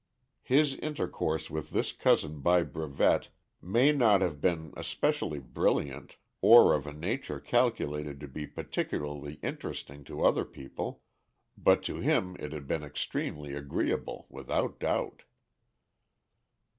His intercourse with this cousin by brevet may not have been especially brilliant or of a nature calculated to be particularly interesting to other people, but to him it had been extremely agreeable, without doubt.